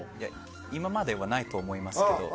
今まではないと思いますけど。